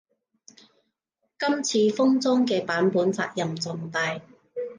今次封裝嘅版本責任重大